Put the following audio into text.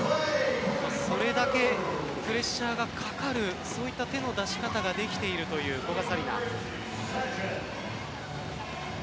それだけプレッシャーがかかるそういった手の出し方ができているという古賀紗理那。